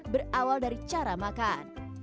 berawal dari cara makan